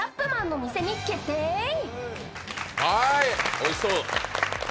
おいしそう！